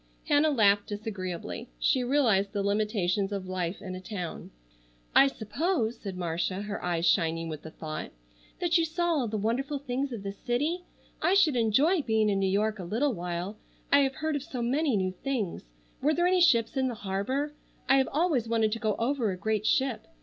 Hannah laughed disagreeably. She realized the limitations of life in a town. "I suppose," said Marcia, her eyes shining with the thought, "that you saw all the wonderful things of the city. I should enjoy being in New York a little while. I have heard of so many new things. Were there any ships in the harbor? I have always wanted to go over a great ship.